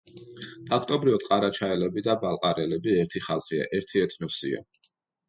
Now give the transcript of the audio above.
ფაქტობრივად ყარაჩაელები და ბალყარელები ერთი ხალხია, ერთი ეთნოსია.